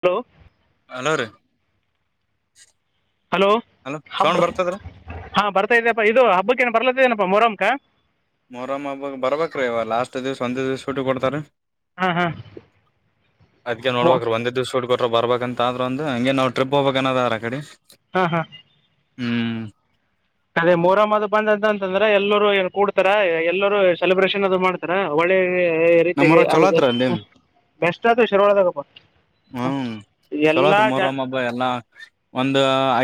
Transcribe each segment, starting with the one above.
Hello hello ರೀ hello ಹಬ್ಬ sound ಬರ್ತದ್ರೀ ಹಾ ಬರ್ತಾ ಇದಪ್ಪ ಇದು ಹಬ್ಬಕ್ಕ ಏನು ಬರ್ಲತ್ತ ನ ಮೊಹರಂ ಕ ಮೊರಮ್ಮ ಹಬ ಬರ್ಬೇಕ್ರೀ ಇವ ಲಾಸ್ಟ್ ದಿವಸ ಒಂದೇ ದಿವಸ ಶೂಟಿ ಕೊಡ್ತಾರ ಹಾಂ ಹಾಂ ಅದ್ಕ ಮೊ ನೋಡ್ಬೇಕ್ರೀ ಒಂದೇ ದಿವ್ಸ ಹುಡ್ಗ ಬರ್ಬೇಕಂತ ಆದ್ರರು ಒಂದು ಹಂಗೆ ನಾವು ಟ್ರಿಪ್ ಹೋಗಬೇಕ ಅನ್ನದ ಅರ ಕಡೆ ಹ್ಮ ಹಾ ಹ್ಮ್ ಅದೇ ಮೋರಮ್ಮದ ಬಂದ ಅಂತ ಅಂತಂದ್ರ ಎಲ್ಲರುೂ ಕೂಡ್ತಾರ ಎಲ್ಲರುೂ ಸೆಲೆಬ್ರೇಷನ್ ಅದು ಮಾಡ್ತಾರ ಒಳ್ಳೆ ರೀತಿಗೆ ನಮ್ಮೂರಾಗ್ ಅದ ಚಲೋ ಆತ್ರಿ ಅಲ್ಲಿ ಬೆಸ್ಟ್ ಅಥವಾ ಶುರ್ವದಾಗಪ್ಪ ಹ್ಮ್ ಚಲೋತ್ರರಿ ಮರಮ್ಮಬ ಎಲ್ಲ ಒಂದ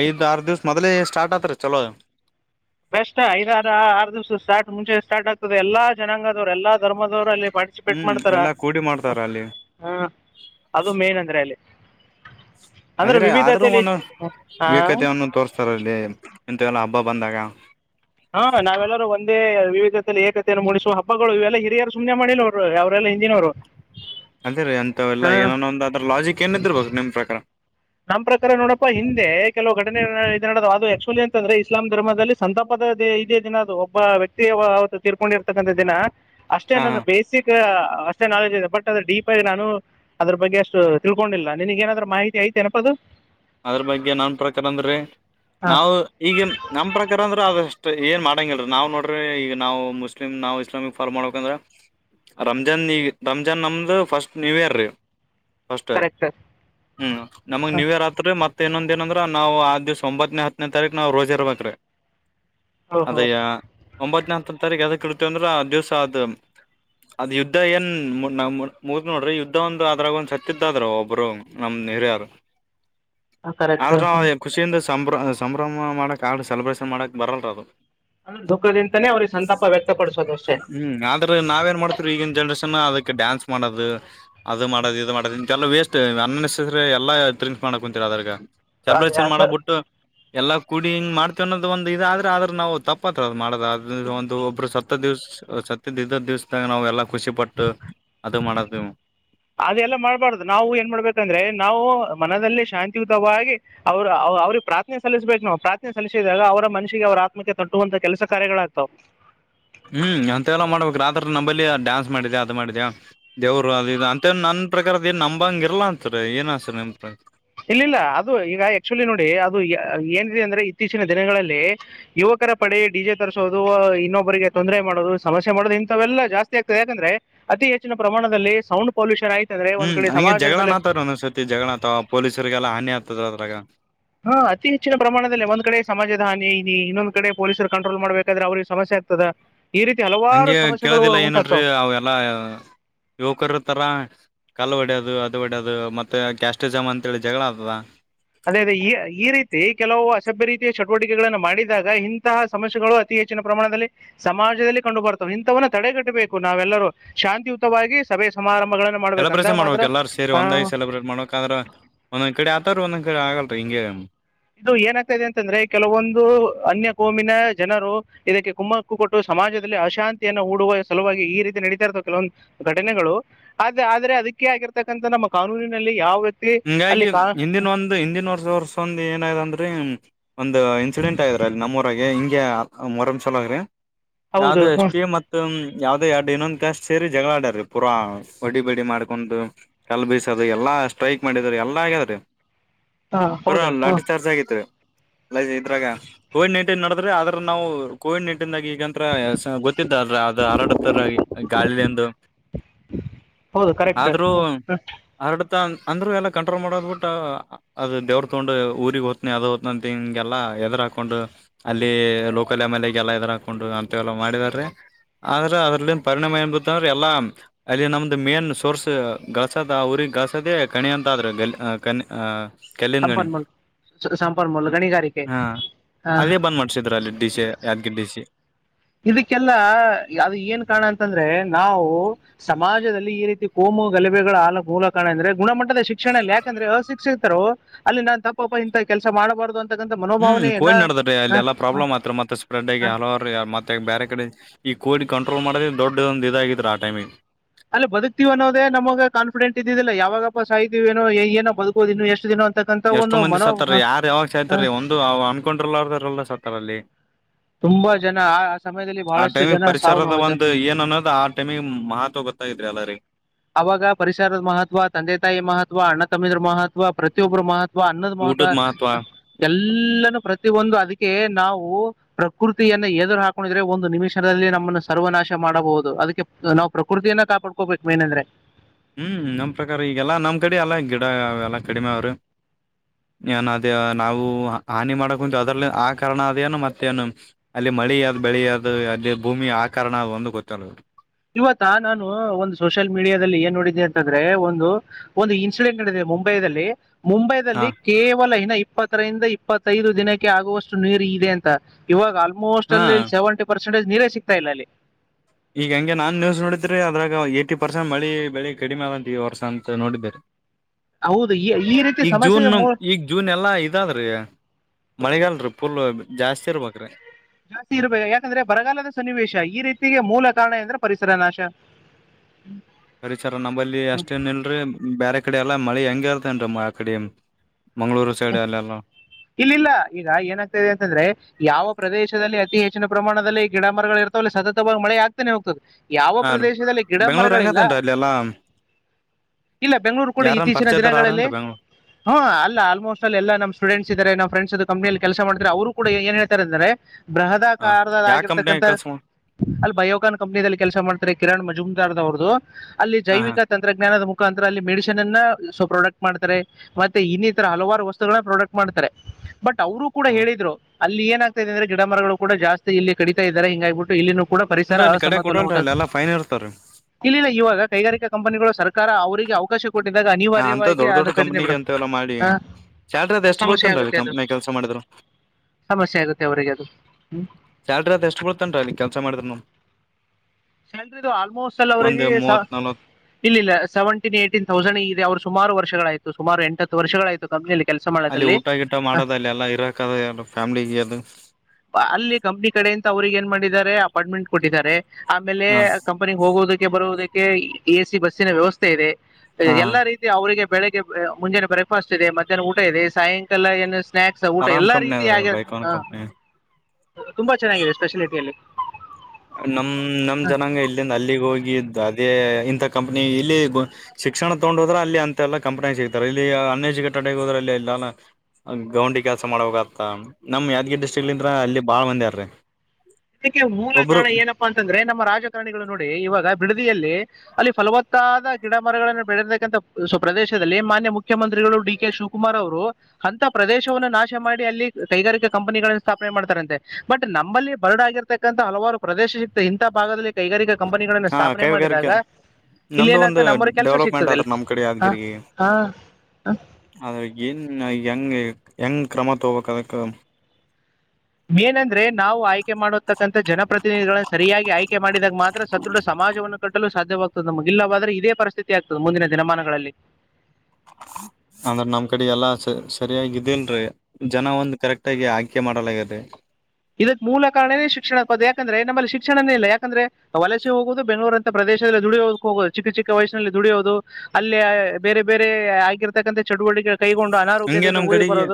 ಐದ್ ಆರು ದಿವ್ಸ ಮೊದಲೇ ಸ್ಟಾರ್ಟ್ ಆತ್ರಿ ಚಲೋ ಬೆಸ್ಟ್ ಐದಾರ ಆರು ದಿವ್ಸ ಸ್ಟಾರ್ಟ್ ಮುಂಚೆ ಸ್ಟಾರ್ಟ್ ಆಗ್ತದೆ ಎಲ್ಲಾ ಜನಾಂಗದವ್ರು ಎಲ್ಲ ಧರ್ದವರು ಅಲ್ಲಿ ಪಾರ್ಟಿಸಿಪೇಟ್ ಹ್ಮ್ ಮಾಡ್ತಾರ ಎಲ್ಲಾ ಕೂಡಿ ಮಾಡ್ತಾರ ಅಲ್ಲಿ ಹ ಅದು ಮೇನ್ ಅಂದ್ರೆ ಅಲ್ಲಿ ಅಂದ್ರೆ ಅದ್ರೆ ಆದ್ರೂ ವಿವಿಧತೆಯಲ್ಲಿ ಒಂದು ಹಾಂ ಏಕತೆಯನ್ನ ತೋರ್ತಾರಲ್ಲಿ ಎಂತಲ್ಲ ಹಬ್ಬ ಬಬಂದಂದಾಗಾ ಹಾ ನಾವೆಲ್ಲರೂ ಒಂದೇ ವಿವಿಧೆಯಲ್ಲಿ ಏಕತೆಯನ್ನು ಮೂಡಿಸುವ ಹಬ್ಬಗಳು ಇವೆಲ್ಲ ಹಿರಿಯರು ಸುಮ್ಮ್ನೆ ಮಾಡಿಲ್ಲ ಅವರು ಅವರೆಲ್ಲ ಹಿಂದಿನವರು ಅದೇ ರೀ ಅಂತವಲ್ಲಾ ಹಾ ಏನಾನೋ ಒಂದು ಅದ್ರ ಲಾಜಿಕ್ ಏನ ಇದರ್ಬೇಕ ನಿಮ್ ಪ್ರಕಾರ ನಮ್ಮ ಪ್ರಕಾರ ನೋಡಪ್ಪ ಹಿಂದೆ ಕೆಲವು ಗಡೆ ಿನದು ಅದು ಆಕ್ಚುಲಿ ಅಂತಂದ್ರೆ ಇಸ್ಲಾಂ ಧರ್ಮದಲ್ಲಿ ಸಂತಾಪದ ಇದೇ ದಿನದು ಒಬ್ಬ ವ್ಯಕ್ತಿ ತೀರ್ಕೊಂಡಿರ್ತಕ್ಕಂಥ ದಿನ ಅಷ್ಟೇ ಹಾ ಹಾ ನಾನು ಬೇಸಿಕ್ ಅಷ್ಟೇ ನಾಲೆಜ್ ಇದೆ ಬಟ್ ಅದ್ರ ಡಿಪ್ ಆಗಿ ನಾನು ಅದ್ರ ಬಗ್ಗೆ ಅಷ್ಟು ತಿಳ್ಕೊಂಡಿಲ್ಲ ನಿಿನಗ ಏನಾದ್ ಮಾಹಿತಿ ಆಯತು ತಿನಪ್ಪದು ಅದ್ರ ಬಗ್ಗೆ ನನ್ ಪ್ರಕಾರ ಅಂದ್ರೆ ಹಾ. ನಾವು ಈಗ ನಮ ಪ್ರಕಾರ ಅಂದ್ರೆ ಅಷ್ಟ ಏನ್ ಮಾಡಂಗಲ್ರಿ ನಾವವು ನೋಡ್ರಿ ಈಗ ನಾವು ಮುಸ್ಲಿಮ್ ನಾವ್ ಇಸ್ಲಾಮಿಕ್ ಫಾಲೋ ಮಾಡ್ಬೇಕಂದ್ರ ರಂಜಾನ್ ನೀ ರಂಜಾನ್ ನಮ್ದು ಫಸ್ಟ್ ನ್ಯೂ ಇಯರ್ ರೀ ಫಸ್ಟ್ ಕರೆಕ್ಟ್ ಹ್ಮ್ ನಮಗ್ ಹಾ. ನ್ವ ಇಯರ್ ಆ ಮತ್ತೇ ಇನೊಂದ ಏನಂದ್ರ ನಾವು ಆ ದಿವ್ಸ ಒಂಬತ್ತ್ತನೇ ಹತ್ತನೇ ತಾರೀಕ ನಾವ್ ರೋಜ ಇರಬೇಕ್ರೀ ಓಹೋ ಅದಯ್ಯ ಒಂಬತ್ತನ ಹತ್ತನ ತಾರೀಕು ಯಾವದಕ್ ಇಡ್ತೇವ ಅಂದ್ರ ದಿವ್ಸ ಅದು ಅದ್ ಯುದ್ಧ ಏನ್ ನ್ ಮುಗ್ ನೋಡ್ರಿ ಯುದ್ಧ ಒಂದು ಅದ್ರಾಗ ಒಂದ್ ಸತ್ತುದ್ದ ಅದ್ರ ಒಬ್ರು ನಮ್ದ ನರರೆ ಹ ಆದ್ರ ಖುಷಿಯಿಂದ ಸಂಭ್ರ ಸಂಭ್ರಮ ಮಾಡಕ್ ಆಗ್ಲಿ ಸೆಲೆಬ್ರೇಷನ್ ಮಾಡಕ್ ಬರಲ್ರ ಅದು ಅಂದ್ರೆ ದುಃಖದಿಂದನೇ ಅವ್ರಿಗೆ ಸಂತಾಪ ವ್ಯಕ್ತಪಡಿಸೋದು ಹ್ಮ್ ಆದ್ರೆ ನಾವ ನ್ ಮಾಡ್ತವಿ ಈಗಿನ ಜನ್ರೇಷನ್ ಅದಕ್ಕೆ ಡಾನ್ಸ್ ಮಾಡೋದು ಅದು ಮಾಡೋದು ಇದು ಮಾಡದು ಇಷ್ಟೆಲ್ಲಾ ವೇಸ್ಟ್ ಅನ್ ನ್ಸೆಸರಿ ಎಲ್ಲ [inaudible] ಮಾಡ ಕುಂತೀರ ಅದ್ರಾಗ ಸೆಲೆಬ್ರೇಷನ್ ಅಷ್ಟೇ ಮಾಡಕ್ ಬಿಟ್ಟು ಎಲ್ಲಾ ಕುಡಿ ಹಿಂಗ ಮಾಡ್ತೀವಿ ಅನೊದ್ ಒಂದು ಇದ ಆದ್ರೆ ಆದ್ರ ನಾವು ತಪ್ಪತ್ರ ಅ ಮಾಡದ ಅ ಒಂದು ಒಬ್ರು ಸತ್ತ ದಿವ್ಸ ಸತ್ತಿದ ದಿವ್ಸದಾಗ ನಾವು ಎಲ್ಲಾ ಖುಷಿ ಪಟ್ಟು ಅದು ಮಾಡತಿವಿ ಅದೆಲ್ಲ ಮಾಡಬಾರ್ದು ನಾವು ಏನ್ ಮಾಡ್ಬೇಕಂದ್ರೆ ನಾವು ಮನದಲ್ಲಿ ಶಾಂತಿಯುತವಾಗಿ ಅವರು ಅವ್ರಿಗೆ ಪ್ರಾರ್ಥನೆ ಸಲ್ಲಿಸಬೇಕು ನಾವು ಪ್ರಾರ್ಥನೆ ಸಲ್ಲಿಸಿದಾಗ ಅವ ಅವರ ಮನಷಿಗೆ ಅವ್ರ ಆತ್ಮಕ್ಕೆ ತೊಟ್ಟುವಂತ ಕೆಲಸ ಕಾರ್ಯಗಳಾಯ್ತವು ಹ್ಮ್ ಅಂತೆ ಎಲ್ಲ ಮಾಡ್ಬೇಕ ರಾತ್ರಿ ನಂಬಲ್ಲಿ ಡಾನ್ಸ್ ಮಾಡಿದ ಅದು ಮಾಡಿದ್ಯಾ ದೇವ್ರು ಅದು ಅಂತ ನ [inaudible] ನನ್ ಪ್ರಕಾರದ ಏ ನಂಬಂಗ ಇರ್ಲ್ಲಾ ಅಂತರಿ ಏನ್ ಆಸೆ ನಿ [inaudible] ಇಲ್ಲಿಲ್ಲ ಅದು ಈಗ ಆಕ್ಚುಲಿ ನೋಡಿ ಅದು ಏನಿದೆ ಅಂದ್ರೆ ಇತ್ತೀಚಿನ ದಿನಗಳಲ್ಲಿ ಯುವಕ ಪಡೆ ಡಿಜೆ ತರ್ಸೋದು ಇನ್ನೊಬರಿಗೆ ತೊಂದರೆ ಮಾಡೋದು ಸಮಸ್ಯೆ ಮಾಡೋದು ಇಂಥವೆಲ್ಲಾ ಜಾಸ್ತಿ ಆಗ್ತದೆ ಯಾಕಂದ್ರೆ ಅತಿ ಹೆಚ್ಚಿನ ಪ್ರಮಾಣದಲ್ಲಿ ಸೌಂಡ್ ಪೊಲ್ಯೂಷನ್ ಆಯ್ತು ಹ್ಮ್ ಹಂಗೆ ಜಗಳನ್ ಆತಾರ ಒಂದ್ ಸರ್ತಿ ಜಗಳತ ಪೊಲೀಸರ್ರಿಗೆಲ್ಲಾ ಹಾನಿ ಆಗ್ತದ ಅದ್ರಾಗ ಹಾ ಅತಿ ಹೆಚ್ಚಿನ ಪ್ರಮಾಣದಲ್ಲಿ ಒಂದ್ ಕಡೆ ಸಮಾಜದ ಹಾನಿ ಇ ಇನ್ನೊದ ಕಡೆ ಪೊಲೀಸರು ಕಂಟ್ರೋಲ್ ಮಾಡಬೇಕಾದ್ರೆ ಅವ್ರಿಗೆ ಸಮಸ್ಯೆ [inaudible] [unintelligible] ಹಲವಾರು ಹಂಗೆ ಸಮಸ್ಯೆಗಳು ಕೇಳೋದಿಲ್ಲ ಏನಡಿ ಉಂಟಾಗ್ತಾವ ಅವ ಎಲ್ಲಾ ಯುವಕರತರ ಕಲ್ಲ ಒಡ್ಯೋದು ಅದು ಹೊಡ್ಯೋದು ಮತ್ತೆ ಕ್ಯಾಸ್ಟೀಜಾಮ್ ಅಂತೇಳಿ ಜಗಳ ಆಗ್ತದ ಅದೇ ಅದೇ ಈ ಈ ರೀತಿ ಕೆಲವು ಅಸಭ್ಯ ರೀತಿಯ ಚಟುವಟಿಕೆಗಳಗಳನ್ನು ಮಾಡಿದಾಗ ಇಂತಹ ಸಮಸ್ಯೆಗಳು ಅತಿ [inaudible] ಹೆಚ್ಚಿನ ಪ್ರಮಾಣದಲ್ಲಿ ಸಮಾಜದಲ್ಲಿ ಕಂಡು ಬರ್ತವೆ ಇಂಥವವನ್ನು ತಡೆಗಟ್ಟಬೇಕು ನಾವೆಲ್ಲರೂ ಶಾಂತಿಯುತವಾಗಿ ಸಮಾರಂಭ ಸೆಲೆಬ್ರೇಷನ್ ಮಾಡ್ಬೇಕಕ್ ಎಲ್ಲಾರು ಸೇರಿ ಒಂದಾಗಿ ಸೆಲೆಬ್ರೇಟ್ ಮಾಡ್ಬೇಕ್ರೆ ಒಂದ್ ಕಡೆ ಆತರರು ಒಂದ ಆಗಲ್ರಿ ಹಿಂಗೆ ಇದು ಏನಾಗ್ತಾ ಇದೆ ಅಂತಂದ್ರೆ ಕೆಲವೊಂದು ಅನ್ಯ ಕೋಮಿನ ಜನರು ಇದಕ್ಕೆ ಕುಮ್ಮಕ್ಕು ಕೊಟ್ಟು ಸಮಾಜದಲ್ಲಿ ಅಶಾಂತಿಯನ್ನು ಹೂಡುವ ಸಲುವಾಗಿ ಈ ರೀತಿ ನಡೀತಾ ಇರುತದೆ ಕೆಲವೊಂದು ಘಟನೆಗಳು ಆದ ಆದ್ರೆ ಅದ ಕೆ ಆಗಿರ್ತಕ್ಕಂತ ನಮ್ಮ ಕಾನೂನಿನಲ್ಲಿ ಯಾವ ವ್ಯಕ್ತಿ ಅಲ್ಲಿ ಹಿಂಗಾಗಿ ಕಾ ಹಿಂದಿನ ಒಂದ ಹಿಂದಿನ ವರ್ಷ ವರ್ಷೊಂದ ಏನ ಆಗಿದೆ ಅಂ ದ್ರೆ ಒಂದು ಇನ್ಸಿಡೆಂಟ್ ಆಯ್ರ ಅಲ್ಲಿ ನಮ್ಮವರಗೆ ಹಿಂಗೆ ಮೊರಂ ಸಲುವಾಗ್ರಿ ಹೌದು ಯಾವ್ದ ಹ್ಮ್. ಅಷ್ಟೇ ಮತ್ತ ಯಾವ್ದ ಎರಡು ಇನ್ನೊಂದ್ ಕಷ್ಟ ಸೇರಿ ಜಗಳಾಡೀ ಪೂರಾ ವಡ್ಡಿ ಬಡಿ ಮಾಡ್ಕೊಂಡು ಕಲ್ ಬೀಸದು ಎಲ್ಲಾ ಅಷ್ಟ ಸ್ಟ್ರೈಕ್ ಮಾಡಿದ್ರ ಎಲ್ಲಾ ಆಗ್ಯಾದ್ರೀ ಹಾ, ಬರ ಹೌದು ಹ್ಮ್. ಲಾಟಿ ಚಾರ್ಜ್ ಆಗತ್ರಿ ಇದ್ರಾಗ ಕೋವಿಡ್ ನೈನ್ಟೀನ್ ನಡದ್ರೆ ಆದದ್ರ ನಾವು ಕೋವಿಡ್ ನೈನ್ಟೀನ್ಗಾಗಿ ಹಗಂತ್ರ ಗೊತ್ತಿದ್ದಲ್ ಅದ ಹರಾಡತ್ತಾರ ಗಾಳಿಲಿಂದು ಹೌದು ಕರೆಕ್ಟ್ ಆದ್ರೂ ಅರಡು ಅಂದ್ರರು ಎಲ್ಲ ಕಂಟ್ರೋಲ್ ಮಾಡೋದ್ ಬಿಟ್ಟ ಅದು ದವರು ತಗೊಂಡು ಊರಿಗೆಗ್ ಹದ್ತನಿ ಅದ ಹದ್ತನ ಅಂತ ಹಿಂಗೆಲ್ಲ ಎದ್ರಾ ಹಾಕೊಂಡು ಅಲ್ಲಿ ಲೋಕಲ್ ಎಮ್ ಎಲ್ ಎ ಎಲ್ಲಾ ಇದ್ರ ಹಾಕೊಂಡು ಅಂತ ಎಲ್ಲ ಮಾಡಿದಾರೀ ಆದ್ರೆ ಅದ್ರಲ್ಲಿ ಪರಿಣಾಮ ಏನ್ ಬತ್ತ ಅಂದ್ರೆ ಎಲ್ಲಾ ಅಲ್ಲಿ ನಮ್ದು ಮೇನ್ ಸೋರ್ಸ್ ಲಸದ ಆ ಊರಿಗೆ ಗಸದೆೇ ಕಣಿ ಅಂತ ಆದ್ರರುಣ ಕೆಲ್ಲಿನ್ ಗಣಿ ಸಂಪನ್ಮೂಲ ಹ ಸಂಪನ್ಮೂಲ ಗಣಿಗಾರಿಕೆ ಹಾ ಹಾ ಅದೇ ಬಂದ್ ಮಾಡ್ಸಿದ್್ರ ಅಲ್ಲಿ ಡಶ ಯಾದ್ಗಿ ಡಿ ಸಿ ಇದಕ್ಕೆಲ್ಲ ಅದು ಏನ್ ಕಾರಣ ಅಂತಂದ್ರೆ ನಾವು ಸಮಾಜದಲ್ಲಿ ಈ ರೀತಿ ಕೋಮು ಗಲಭೆಗಳ ಆಾಲ ಮೂಲಕಣ ಅಂದ್ರೆ ಗುಣಮಟ್ಟದ ಶಿಕ್ಷಣಲ್ಲ ಯಾಕಂದ್ರೆ ಶಿಕ್ಷಕಿತರು ಅಲ್ಲಿ ನಾನ್ ತಪ್ಪಪ್ಪ ಇಂತ ಕೆಲಸ ಮಾಡಬಾರದು ಅಂತ ಹ್ಮ್ ಕವಿಡ್ ನಡದ ರೀ ಅಲ್ಲಿಲ್ಲಾ ಹ, ಪ್ರಾಬ್ಲಮ್ ಆತ್ ಮತ್ ಸ್ಪ್ರೆಡ್ ಆಗಿ ಹ. ಹಲವ ಮತ್ತ ಬೇರೆ ಕಡೆ ಈ ಕೋವಿಡ್ ಕಂಟ್ರೋಲ್ ಮಾಡೋ್ರೆ ದೊಡ್ಡದ ಒಂದು ಇದಗಿದ ಆ ಟೈಮಿಗೆ ಅಲ್ಲ ಬದುಕ್ತಿೀವಿ ಅನ್ನೋದ ನಮಗ ಕಾಫಿಡೆಂಟ್ ಇದ್ದಿದಿಲ್ಲ ಯಾವಾಗಪ್ಪ ಸಾಯ ಇದ್ದೀವೇನೋ ಏನೋ ಬದುಕೋದನು ಎಷ್ಟು ದಿನೋ ಅ ಎಷ್ಟೋ ಮಂದಿ ಸತ್ತಾರ ರೀ ಯಾರು ಯಾವಾಗ ಹ. ಸಾಯ್ತಾರೆ ರೀ ಒಂದು ಅನ್ಕೌಂಟ್ರಲ್ ಆರ್ತಾರಲ್ಲ ಸತ್ತಾರ ಅಲ್ಲಿ ತುಂಬಾ ಜನ ಆ ಆ ಸಮಯದಲ್ಲಿ ಆ ಬಹಳಷ್ಟು ಟೈಮಿಗ್್ ಜನ ಸಾವು ಪರಿಸರದ ನೋಡುತ್ತೆ ಒಂದು ಏನನ್ನೋದು ಆ ಟೈಮಿ್ ಮಹತ್ವ ಬರ್ತ ಇದ್ರ ಅ ರೀ ಅವಾಗ ಪರಿಸರದ ಮಹತ್ವ ತಂದೆ ತಾಯಿ ಮಹತ್ವ ಅಣ್ಣ ತಮ್ಮಿದ್ರ ಮಹತ್ವ ಪ್ರತಿಯೊಬ್ಬರ ಮಹತ್ವ ಅನ್ನದ ಮಹತ್ವ ಎಲ್ಲನುೂ ಪ್ರತಿ ಒಂದು ಅದಕ್ಕೆ ನಾವು ಪ್ರಕೃತಿಯನ್ನು ಎದುರು ಹಾಕೊಂಡಿದ್ರೆ ಒಂದು ನಿಮಿಷದಲ್ಲಿ ನಮ್ಮನ್ನು ಸರ್ವನಾಶ ಮಾಡಬಹುದು ಅದಕ್ಕೆ ನಾ್ ಪ್ರಕೃತಿಯನ್ನ ಕಾಪಾಡ್ಕೋಬೇಕು ಮೇನ್ ಅಂದ್ರೆ ಹ್ಮ್ ನಮ್ ಪ್ರಕಾರ ಈಗೆಲ್ಲಾ ನಮ್ ಕಡೆ ಎಲ್ಲ ಗಿಡ ಎಲ್ಲಾ ಕಡಿಮೆ ಅವ್ರ ಏನ್ ಅದ ನಾವು ಹಾನಿ ಮಾಡಕ್ ಕುಂಂತು ಅದ್ರಲ್ಲಿ ಆ ಕಾರಣ ಅದೇಏನು ಮತ್ತೇನು ಅಲ್ಲಿ ಮಳಿ ಅ್ದ್ ಬೆಳಿ ಅ್ ಅದೇ ಭೂಮಿ ಆಕಾರರಣ ಅದು ಒಂದು ಗೊತ್ತಲ್ ಇವತ ನಾನು ಒಂದು ಸೋಷಿಯಲ್ ಮೀಡಿಯಾದಲ್ಲಿ ಏನ್ ನೋಡಿದ್ದಿ ಅಂತಂದ್ರೆ ಒಂದು ಒಂದು ಇನ್ಸಿಡೆಂಟ್ ನಡೆಿದೆ ಮುಂಬೈದಲ್ಲಿ ಹಾ ಮುಂಬೈದಲ್ಲಿ ಕೇವಲ ಇನ ಇಪ್ಪತ್ತು ಇಪ್ಪತ್ತೈದು ದಿನಕ್ಕೆ ಆಗುವಷ್ಟು ನೀರು ಇದೆ ಅಂತ ಇವಾಗ ಆಲ್ಮೋಸ್ಟ್ ಹಾ ಅಲ್ಲಿ ಸೆವೆಂಟಿ ಪರ್ಸೆಟ್ ನೀರೇ ಸಿಗ್ತಾ ಇಲ್ಲ ಅಲ್ಲಿ ಈಗಂಗೆಾನ್ಯೂ ನೋಡಿದ್ರಿ ಅದಾಗ ಈಗ ಏ್ಟಿ ಪರ್ಸೆಂಟ್ ಮಳಿ ಬೆಳಿ ಕಡಿಮೆ ಆದಂತ ಈ ವರ್ಷ ಅಂತ ನೋ ಬೇರೆ ಹೌದು ಈ ಈ ರೀತಿ ಈಗ ಜೂನ್ ಸಮಸ್ಯೆ ಮೂ- ಈಗ ಜೂನ್ ಎಲ್ಲಾ ಇದಾದ್ರೀ ಮಳಿಗಲ್ರರಿ ಫುಲ್ ಜಾಸ್ತಿ ಇರ್ಬೇಕ್ರೀ ಜಾಸ್ತಿ ಇರ್ಬೇಕ ಯಾಕಂದ್ರೆ ಬರಗಾಲದ ಸನ್ನಿವೇಶ ಈ ರೀತಿಗೆ ಮೂಲ ಕಾರಣ ಎಂದ್ರೆ ಪರಿಸರ ನಾಶ ಹ್ಮ್ ಪರಿಸರ ನಂಬಲ್ಲಿ ಅಷ್ಟೇನ್ ಇಲ್ರಿ ಬೇರೆ ಕಡೆ ಎಲ್ಲಾ ಮಳೆ ಹೆಂಗ ಇರ್ತೇನ್ರಿಮ್ಮ ಆ ಕಡೆ ಮಂಗಳೂರು ಸೈಡ್ ಅಲ್ಲೆಲ್ಲ ಇಲ್ಲಿಲ್ಲ ಈಗ ಏನಾಗ್ತದೆ ಅಂತಂದ್ರೆ ಯಾವ ಪ್ರದೇಶದಲ್ಲಿ ಹೆಚ್ಚಿನ ಪ್ರಮಾಣದಲ್ಲಿ ಗಿಡ ಮರಗಳು ಇರ್ತವೆೆ ಸತವಾಗಿ ಮಳ ಆಗ್ತಾನೆ ಹೋಗ್ತದೆ ಯಾವ ಹಾ ರೀ ಪ್ರದೇಶದಲ್ಲಿ ಗಿಡ ಬೆಂಗ್ಳೂರ್ ಮರಗಳಿಲ್ಲ ಹೆಂಗತನ್ರಿ ಅಲ್ಲೆಲ್ಲಾ ಇಲ್ಲ ಬೆಂಗಗಳೂರು ಕೂಡ ಯಾರನ್ ಇತ್ತೀಚಿನ ಪರಿಚಯದಾರ ದಿನಗಳಲ್ಲಿ ಯಾರೇನ್ರಿ ಬೆಂಗ್ಳೂರ್ ಹಾ ಅಲ್ಲ ಅ ೋಸ್ ಅ ಎಲ್ಲ ನಮ್ಮ ಸ್ಟೂಡೆಂಟ್ಸ್ ಇದಾರೆ ನ ಫ್ರೆಂಡಸ್ ಕಂನಿಯಲ್ಲಿ ಕೆಲಸ ಮಾಡತಾರೆ ಅವರು ಕೂಡಏ ಹೇತಾರೆ ಅ್ರೆ ಹಾ ಬೃಹದಾಕಾರದದಲ್ಲಿ ಯಾವ ಕಂಪ್ನಿಯಾಗ ಆಗಿರ್ತಕ್ಕಂತಥ ಕೆಲ್ಸ ಮಾಡ ಅಲ್ಲಿ ಬಯೋಕಾನ್ ಕಂಪ್ನಿಲ್ಲಿ ಕೆಲಸ ಮಾಡ್ತಾರೆ ಕಿರಣ್ ಮಜುಮದಾರ್ವ್ರ್ದು ಅಲ್ಲಿ ಹಾ ಹಾ ಜೈವಿಕ ತಂತ್ರಜ್ಞಾನದ ಮುಖಾಂತರ ಅಲ್ಲಿ ಮೆಡಿಸನ್ ಅನ್ನ ಪ್ರೊಡಕ್ಟ್ ಮಾಡ್ತಾರೆ ಮತ್ತೆ ಇ ಹಲವಾರು ವಸ್ತುಗಳನ್ನ ಪ್ರೊಡಕ್ಟ್ ಮಾಡ್ತಾರೆ ಬಟ್ ಅವರು ಕೂಡ ಹೇಳಿದ್ರು ಅಲ್ಲಿ ಏನ ಆತಿದೆದೆ್ರ ಗಿಡ ಮರಗಳುೂಡ ಜಸ್ತಿ ಇಲ್ಲಿ ಕಡಿತಾ ಇದಾರೆ ಹಿಂಗ ಆಗ್ಬಿಟ್ಟು ಇ ಕೂಡ ಪರಿಸರ ಇಲ್ರಿ ಅಲ್ಲಿ ಕಡೆ ಅಸಮತೋಲ ಕೊಡಲ್ರಿ ಉಂಟದ ಅಲ್ಲೆಲ್ಲಾ ಫೈನ್ ಇರ್ತಾವ್ರಿ ಇಲ್ಲಿಲ್ಲ ಇವಾಗ ಕೈಗಾರಿಕಾ ಕಂಪನಿಗಳು ಸರ್ಕಾರ ಸಕಾರ ಅವರಿಗೆ ಅವಕಾಶ ಕೊಟ್ಟಿದ್ದಾಗ ಅನಿವಾರ್ಯವಾಗಿ ಅದು ಕಡಿಮೆ ಬಿಡುತ್ತು ಸಲ್ರಿ ಅದ ಎಷ್ಟು ಬಳತನ್ಲ್ಲಿ ಕಂಪ್ನಿ ಕೆಲ್ಸ ಮಾಡಿದ್ರು ಸಮಸ್ಯೆ ಆಗುತ್ತೆ ಅವ್ರರಿಗೆ ಅದು ಸ್ಯಾಲ್ರಿ ಅತ್ ಎಷ್ಟ ಬೀಳುತ್ತೆ ಅಲ್ಲಿ ಕೆಲ್ಸ ಮಾಡಿದ್ರನು ಎಂತಿದು ಆಲ್ಮೋಸ್ಟ್ ಎಲ್ಲ ಅವ್ರರಿಗೆ ನಲ್ವತ್ ಇಲ್ಲಿಲ್ಲ ಸೆವೆಂಟೀನ್ ಈನೈಟಿನೀ ಥೋಯ್ಸಡಾ ಅವ್ ಸುಮಾರ ವರ್ಷಾಯಗಳು ಸುಮಾರು ಎಂಟು ಹತ್ತು ವರ್ಷಗಳಾಯ್ತು ಕಮ್ಮನಿಯಲ್ಲಿ ಅಲ್ಲಿ ಊಟ ಗಿಟ ಮಾಡೋದ ಅಲ್ಲಿ ಎಲ್ಲ ಇರಕದರು ಫ್ಯಾಮ್ಲಿಿಗೆ ಅದು ಅಲ್ಲಿ ಕಂಪ್ನಿ ಕಡೆ ಇಂತ ಅವ್ರಿಗೆ ಏನ್ ಮಾಡಿದಿದ್ದಾರೆ ಅಪಾಯಿಂಟ್ಮೆಂಟ್ ಕೊಟ್ಟಿದ್ದಾರೆ ಆಮೇಲೆ ಹ ಕಂಪನಿಗೆ ಹೋಗುವುದಕ್ಕೆ ಬರುವುದಕ್ಕೆ ಎ ಸಿ ಬಸ್ಸಿನ ವ್ಯವಸ್ಥೆ ಇದೆ ಹ ಎಲ್ಲಾ ರೀತಿ ಅವರಿಗೆ ಬೆಳಿಗ್ಗೆ ಮುಂಜಾನೆ ಬ್ರೇಕ್ಫಾಸ್ಟ್ ಇದೆ ಮಧ್ಯಾಹ್ನ ಊಟ ಇದೆ ಸಾಯಂಕಾಲ ಏನು ಸ್ನಾಯಕ್ಸ್ ಊಟ ಆರಾಮ್ ಎಲ್ಲಾ ಕಂಪ್ನಿ ರೀತಿ ಆ ಅದ್ರೆ ಬೈಕಾನ್ ಹ ಕಂಪ್ನಿ ತುಂಬಾ ಚೆನ್ನಾಗಿದೆ ಸ್ಪೆಷಾಲಟಿಯಲ್ಲಿ ನಮ್ಮ ನಮ್ಮ ಜನಾಂಗ ಇಲ್ಲಿಂದ ಅಲ್ಲಿಗ್ ಹೋಗಿದ ಅದೇ ಕಂಪನಿ ಇಲ್ಲಿ ಶಿಕ್ಷಣ ತೆಕೊಂಡುಹೋದ್ರ ಅಂತ ಎಲ್ಲ ಕಂಪನಿ ಸಿಗ್ತಾರೆ ಇಲ್ಲಿ ಅನ್ ಎಜುಕೇಟೆಡ್ ಆಗ ಹೋದ್ರ ಅಲ್ಲಿ ಡ್ಲಾ ಗೌಂಡಿ ಕೆಲ್ಸ ಮಾಡಬೇಕಕ್ ಆತ ನಮ್ ಯಾದ್ಗಿರಿ ಡಿಸ್ಟ್ರಿಕ್ಲಿಂದ್ರ ಅಲ್ಲಿ ಬಾಳ ಮಂದಿ ರೀ ಇದಕ್ಕೆ ಮೂಲ ಕಾರಣ ಏನಪ್ಪಾ ಅಂತಂದ್ರೆ ನಮ್ಮ ರಾಜಕಾರಣಿಗಳು ನೋಡಿ ಇವಾಗ ಬಿಡದಿಯಲ್ಲಿ ಅಲ್ಲಿ ಫಲವತ್ತಾದ ಗಿಡ ಮರಗಳನ್ನು ಬೆಳಿರ್ತಕ್ಕಂಥ ಪ್ರದೇಶದಲ್ಲಿ ಮಾನ್ಯ ಮುಖ್ಯಮಂತ್ರಿ ಡಿ ಕೆ ಶಿವಕುಮಾರ್ ಅವರು ಅಂತ ಪ್ರದೇಶವನ್ನು ನಾಶ ಮಾಡಿ ಅಲ್ಲಿ ಕೈಗಾರಿಕಾ ಕಂಪನಿಗಳನ್ನು ಸ್ಥಾಪನೆ ಮಾಡ್ತಾರೆ ಅಂತೆ ಬಟ್ ನಮ್ಮಲ್ಲಿ ಬರಡ ಆಗಿರ್ತಕ್ಕಂತಥ ಹಲವಾರು ಪ್ರದೇಶ ಸಿಗ್ತ ಇಂಥ ಭಾಗದಲ್ಲಿ ಕೈಗಾರಿಕಾ ಕಂಪನಿಗಳನ್ನ ಹಾ ಸ್ಥಾಪನೆ ಮಾಡಿದಾಗ ಕೈಗಾರಿಕೆ ಇಲ್ಲಿ ನಮ್ದು ಒಂದು ಏನಾಗ್ತದೆ ನಮ್ಮ್ರ ಕೆಲ್ಸ ಡೆವಲಪ್ಮೆಂಟ್ ಆದ್ರ ಸಿಗ್ತದೆಲ್ಲಿ ನಮ್ ಕಡೆ ಹ ಯಾದಗಿರಿಗೆ ಹ ಅದ ಏನ್ ಹೆಂಗ ಹೆಂಗ್ ಕ್ರಮ ತಗಬೇಕಕ್ ಅದಕ್ಕ ಮೇನ್ ಅಂದ್ರೆ ನಾವು ಆಯ್ ಮಾಡತಕ್ಕಂತ ಜನಪ್ರತಿನಿಧಿಗಳನ್ನು ಸರಿಯಾಗಿ ಆಯ್ಕೆ ಮಾಡಿದಾಗ ಮಾತ್ರ ಸದೃಢ ಸಮಾಜವನ್ನು ಕಟ್ಟಲು ಸಾಧ್ಯವಾಗ ನಮ್ಗೆ ಇಲ್ಲಾದ್ರೆ ಇದೇ ಪರಿಸ್ಥಿತಿ ಆಗ್ತದೆ ಮುಂದಿನ ದಿನಮಾನಗಳಲ್ಲಿ [inaudible] ಅಂದ್ರ ನಮ್ ಕಡೆ ಎಲ್ಲಾ ಸ ಸರಿಯಾಗಿದಿಲ್ರರಿ ಜನ ಒಂದ ಕರೆಕ್ಟ್ ಆಗಿ ಆಯ್ಕೆ ಮಾಡಲಗ್ರರಿ ಇದಕ್ಕೆ ಮೂಲ ಕಾರಣನೇ ಶಿಕ್ಷಣ ಅ ಯಾಕಂದ್ರೆ ನಮ್ಮಲ್ಲಿ ಶಿಕ್ಷಣನೇ ಇಲ್ಲ ಯಾಕಂದ್ರೆ ವಲಸೆ ಹೋಗುವುದು ಬೆಂಗಳೂರ ಅಂತ ಪ್ರದೇಶ ದೇಶದಲ್ಲಿ ದುಡಿಯೋಕ್ಕೆ ಹೋಗೋುದು ಚಿಕ್ಕ ಚಿಕ್ಕ ವಯಸ್ಸಿನಲ್ಲಿ ದುಡಿಯೋುದು ಅಲ್ಲಿ ಬೇರೆ ಬೇರೆ ಆಗಿರತಕ್ಕಂಥ ಚಟುವಳಿಕಗಳ ಹಂಗೆ ನಮ್ ಕಡೆಗೆ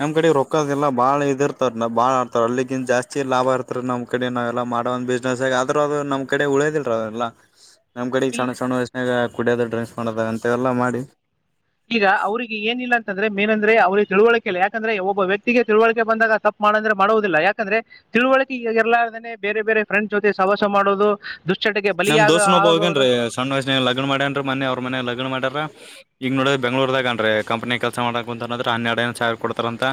ನಮ್ ಕಡೆ ರೊಕ್ಕದ ಎಲ್ಲಾ ಬಾಳ ಇದ ಇರ್ತಾರ ಬಾಳ್ ಅಲ್ಲಿಗಿನ್ ಜಾಸ್ತಿ ಲಾಭ ಇರ್ತ ರೀ ನಮ್ಮ ಕಡೆ ನಾವೆಲ್ಲ ಮಾಡೋ ಒಂದ ಬಿಸ್ನೆಸ್ ಆಗ ಆದ್ರರು ಅದು ನಮ್ಮ ಕಡೆ ಉಳೇದಲ್ರಲ್ಲ [inaudible] ನಮ್ ಕಡೆಗ್ ಸಣ್ಣ ಸಣ್ಣ ವಯಸ್ಸಿನಾಗ ಕುಡ್ಯದು ಡ್ರಿಂಕ್ಸ್ ಮಾಡದ ಅಂತೆ ಎಲ್ಲ ಮಾಡಿ ಈಗ ಅವ್ರಿಗೆ ಏನಿಲ್ಲ ಅಂತಂದ್ರೆ ಏನಂದ್ರೆ ಅವ್ರ ತಿಳಿಕೆಲ್ಲ ಯಾಕಂದ್ರೆ ಒಬ್ಬ ವ್ಯಕ್ತಿಗೆ ತಿಳುವಳಿಕೆ ಬಂದಾಗ ತಪ್ ಮಾಡಂದ್ರೆ ಮಾಡುವುದಿಲ್ಲ ಯಾಕಂದ್ರೆ ತಿಳು ಈಗ ಇರಲಾರದೆನೆ ಬೇರೆ ಬೇರೆ ಫ್ರೆಂಡ್ಸ್ ಜೊತೆ ಸವಾಸ ಮಾಡೋದು ದುಶ್ಚಟಕ್ಕೆ ನಮ್ ಬಲಿಯಾಗ ದೋಸ್ ನೋಬ ಹೋಗೇನ್ ಆಗೋದು ಸಣ್ಣ ವಯಸ್ಸುಗೆ ಲಗ್ನ್ ಮಾಡ್ಯೇನ್ ಮೊನ್ನೆ ಅವರು ಮೇನೆಗೆ ಲಗ್ನ್ ಮಾಡಾರ ಈಗ ನೋಡ್ರ ಬೆಂಗಳೂರುದಾಗ್ ಕಂಪನಿಯಾಗೆ ಕೆಲಸ ಮಾಡಕಕ್ ಕುಂತ ಅ್ರ ಹನ್ನೆರಡು ಏ್ ಸಾವಿರ ಕೊಡ್ತಾರ ಅಂತ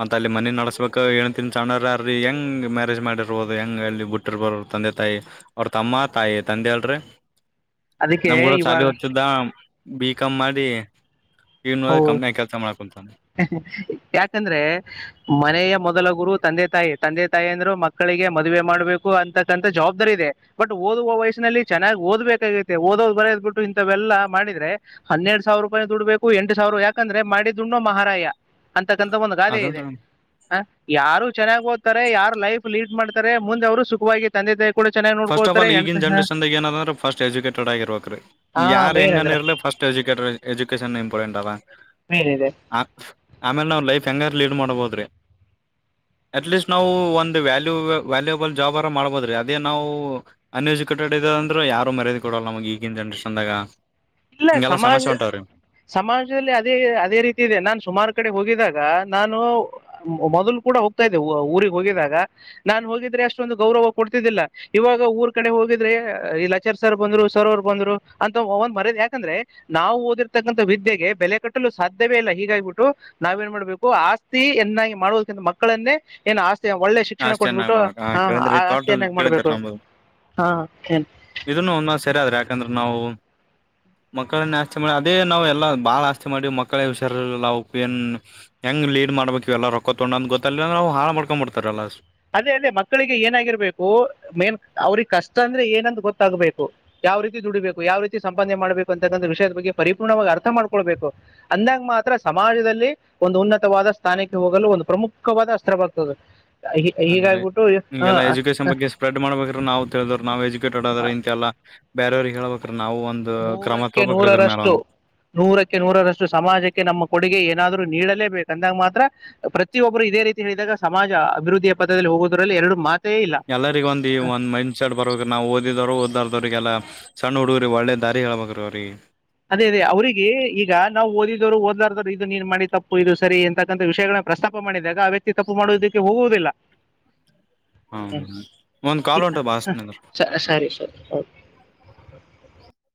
ಮತ್ತ ಅಲ್ಲಿ ಮನೆ ನಡಸಬೇಕು ಏಳ್ ತಿ ಸಣ್ಣ ರೀ ಹೆಂಗ್ ಮ್ಯಾರೇಜ್ ಮಾಡಿರ್ಬೋದು ಹೆಂಗ್ ಅಲ್ಲಿ ಬಿುಟ್ಟಿರ್ಬೋ ತಂದೆ ತಾಯಿ ಅವ್ರ ತಮ್ಮ ಆಯಾ ತಂದೆ ಅಲ್ರಿ ಅದಕ್ಕೆ ನಮ್ಗೂಡ ಶಾಲಿ ಇವಾಗ ಹೊದ್ತಿದ್ದ ಬಿ ಕಂ ಮಾಡಿ ಈಗ ನೋಡಿದ್ರ ಹೌದು ಕಂಪ್ನಿಯಾಗ ಕೆಲಸ ಮಾಡಕುಂತಾನ ಯಾಕಂದ್ರೆ ಮನೆಯ ಮೊದ ಮೊದಲ ಗುರು ತಂದೆ ತಾಯಿ ತಂದೆ ತಾಯಿ ಅಂದ್ರು ಮಕ್ಕಳಿಗೆ ಮದುವೆ ಮಾಡ್ಬೇಕು ಅಂತಕ್ಕಂಥ ಜವಾಬ್ದಾರಿ ಇದೆ ಬಟ್ ಓದ ಓದುವ ವಯಸ್ಸಿನಲ್ಲಿ ಚನ್ನಾಗಿ ಓದಬೇಕಾಗತ್ತೆ ಓದೋದ ಬರದ್ ಬಿಟ್ಟ ಇಂತವೆಲ್ಲ ಮಾಡಿದ್ರೆ ಹನ್ನೆರಡ್ ಸಾವಿರ ರೂಪಾಯಿ ದುಡ್ಬೇಕು ಎಂಟು ಸಾವಿರ ಯಾಕಂದ್ರೆ ಮಾಡಿದ್ದುಣ್ಣು ಮಹಾರಾಯ ಅಂತಕ್ಕಂಥ ಒಂದು ಗಾದೆ ಇದೆ ಅದಂದ್ರ ಹ ಯಾರು ಚೆನ್ನಾಗಿ ಓ್ತಾರೆ ಯಾರು ಲೈಫ್ ಲೀಡ್ ಮಾಡ್ತಾರೆ ಮುಂದೆ ಅವ್ರು ಸುಖವಾಗಿ ತಂದೆ ತಾಯ ಫಸ್ಟ್ ಆಫ ಆಲ ಈಗ ಜನರೇನ್ ಏನ ಅಂದ್ರೆ ಸ್ ಎಜುಕಟೆಡ್ ಆಗಿರ್ಬೇಕ ಹಾ ಯಾರ ಮೇನ್ ಹೆಂಗ ಅಂದ್ರೆ ಇರಲಿ ಫಸ್ಟ್ ಎಜು ಎಜುಕೇಶನ್ ಇಂಪಾರ್ಟೆಂಟ್ ಅದ ಮೇನ್ ಇದೆ ಆಮೇಲೆ ನಾವು ಲೈಫ್ ಕಂಗಾರ ಲೀಡ್ ಮಾಡಬೋದ್ರಿ ಅಟ್ಲೀಸ್ಟ್ ನಾವು ಒಂದ ವ್ಯಾಲ್ಯ ವ್ಯಾಲ್ಯೂಬಲ್ ಜಾಬ್ ಅರ ಮಾಡ್ಬೋದ್ರಿ ಅದೇ ನಾವು ಅನ್ ಎಜುಕೇಟೆಡ್ ಇದ ಅಂದ್ರೆ ಯಾರು ಮರ್ಯದಿ ಕೊಡಲ್ಲ ನಮಗೆ ಈಗಿನ ಜನ್ರೇಷನ್ದಾಗ ಇಲ್ಲ ಹಿಂಗೆಲ್ಲಾ ಸಮಾಜ ಸಮಸ್ಯೆ ಹೊಂಟಾವ್ರಿ ಸಮಾಜದಲ್ಲಿ ಅದೇ ಅದೇ ರೀತಿ ಇದೆ ನಾನ್ ಸುಮಾರು ಕಡೆ ಹೋಗಿದಾಗ ನಾನು ಮೊದಲು ಕೂಡ ಹೋಗ್ತಾ ಇದ್ದೆ ಊರಿಗೆ ಹೋಗಿದಾಗ ನಾನು ಹೋಗಿದ್ರೆ ಅಷ್ಟೊಂದು ಗೌರವ ಕೂಡ ಿಲ್ಲ ಇವಾಗ ಊರ್ ಕಡೆ ಹೋಗಿದ್ರೆ ಇ ಲಾಚಾರ್ ಸರ್ ಬಂದ್ರು ಸರ್ ಅವರು ಬಂದ್ರು ಅಂತ ಒಂದ್ ಮರ ಯಾಕಂದ್ರೆ ನಾವು ಓದಿರ್ತಕ್ಕಂತ ವಿದ್ಯೆಗೆ ಬೆಲೆ ಕಟ್ಟಲು ಸಾಧ್ಯವೇ ಇಲ್ಲ ಹೀಗಾಗಿಬಿಟ್ಟು ನಾವ್ ಏನ್ ಮಾಡ್ಬೇಕು ಆಸ್ತಿಿಯನ್ನಾಗಿ ಮಾಡುವುದಕ್ಕಿಂತ ಮಕ್ಕಳನ್ನೇ ಏನು ಆಸ್ತಿ ಒಳ್ಳೆ ಶಿಕ್ಷಣ ಅಷ್ಟ್ ಚೆನ್ನಾಗಿ ಕೊಟ್ಬಿಟ್ಟು ಮಾಡಕ್ ಹಾ ಹ ಕೇಳಿದ್ರಿ ತೋಟ ಆಸ್ತತಿಿಯನ್ನಾಗಿ ಕೇಳಿದ್ರ ಮಾಡ್ಬೇಕು ನಮ್ದು ಹಾ ಏನ್ ಇದನ್ನು ಒ ಸರಿಆದ್ರೆ ಯಾಕಂದ್ರೆ ನಾವು [inaudible] ಮಕ್ಕಳನ್ನ ಆಸ್ತಿ ಮಾಡಿ ಅದೇ ನಾವ್ ಎಲ್ಲಾ ಬಾಳ ಆಸ್ತಿ ಮಾಡಿವಿ ಮಕ್ಕಳ ಹಷಾರ ಏನ್ ಹೆಂಗ್ ೇಡ್ ಮಾಡ್ಬೇಕು ಎಲ್ಲ ರೊ ತೊೊಂಡಂದು ಗೊ ಅಿಲ್ಲಂದ್ರ ನಾ ಹಾಳ ಮಾಡ್ಕೊಂಡಂಬಡ್ತಾರಲ್ಲ ಅದೇ ಅದೇ ಮಕ್ಕಳಿಗೆ ಏನಾಗಿರ್ಬೇಕು ಮೇನ್ ಅವ್ರಿಗೆ ಕಷ್ಟ ಅಂದ್ರೆ ಏನಂದು ಗೊತ್ತಾಗಬೇಕು ಯಾವ ರೀತಿ ದುಡಿಬೇಕು ಯಾವ ರೀತಿ ಸಂಪಾದನೆ ಮಾಡ್ಬೇಕು ಅಂತಕ್ಕಂಥ ವಿಷಯದ ಬಗ್ಗೆ ಪರಿಪೂರ್ಣವಾಗಿ ಅರ್ಥ ಮಾಡ್ಕಳ್ಬೇಕು ಅಂದಂಗ ಮಾತ್ರ ಸಮಾಜದಲ್ಲಿ ಒಂದು ಉನ್ನತವಾದ ಸ್ಥಾನಕ್ಕೆ ಹೋಗಲು ಒಂದು ಪ್ರಮುಖವಾದ ಅಸ್ತ್ರವಾಗಗ್ತದೆ ಆದ್ರೆಗೆಲ್ಲ ಎಜುಕೇಶನ್ ಬಗ್ಗೆ ಸ್ಪ್ರೆಡ್ ಮಾಡ್ಬೇಕ್ರ ನಾ್ ತಿಳಿದ್ ನಾವ್ ಎಜು ಕಿಕೆಟ್ ಆಡೋದ್ರ ಇಂತೆ ಎಲ್ಲ ಬೇರೆಯವ್ರಿಗೆ ಹೇಳಬಬೇಕು ನೂರಕ್ಕೆ ಒಂದ್ ನೂರರಷ್ಟು ನೂರಕ್ಕೆ ನೂರರಷ್ಟು ಸಮಾಜಕ್ಕೆ ನಮ್ಮ ಕೊಡುಗೆ ಏನಾದರು ನೀಡಲೇಬೇಕು ಅಂದಾಗ ಮಾತ್ರ ಪ್ರತಿಯೊಬ್ಬರು ಇದೇ ರೀತಿ ಹೇಳಿದಾಗ ಸಮಾಜ ಅಭಿವೃದ್ಧಿಯ ಪದದಲ್ಲಿ ಹೋಗುವುದರಲ್ಲಿ ಎರಡು ಮಾತ್ರ ಎಲ್ಲರಿಗ ಒಂದ ಈ ಒಂದ ಮೈಂಡ್ ಸೆಟ್ ಬರಬೇಕ ನಾವು ಓದಿದರು ಓದ ಲಾದೊರು ಅವ್ರರಿಗೆಲ್ಲ ಸಣ್ಣ ಹುಡುಗ್ರಿ ಒಳ್ಳೆ ದಾರಿ ಹೇಳೇಳ್ಬೇಕ್ರಿ ಅವ್ರಿಗೆ ಅದೇ ಅದೇ ಅವ್ರಿಗೆ ಈಗ ನಾವ್ ಓದಿದವರು ಓದ್ಲಾರೋರು ಇದದು ನೀನ್ ಮಾಡಿ ತಪ್ಪು ಇದು ಸರಿ ಎಂತಕ್ಕಂಥ ವಿಷಯಗಳನ್ನ ಪ್ರಸ್ತಾಪ ಮಾಡಿದಾಗ ಆ ವ್ಯಕ್ತಿ ತಪ್ಪು ಮಾಡುವುದಕ್ಕೆ ಹೋಗುವುದಿಲ್ಲ ಹ್ಮ ಒಂದ್ ಕಾಲ್ ಹೊಂಟ ಬಾಸ್ನಿಂದ ಹ ಸರಿ ಸರಿ ಐತು [inaudible]